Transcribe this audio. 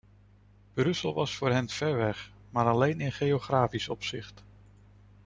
Brussel was voor hen ver weg, maar alleen in geografisch opzicht.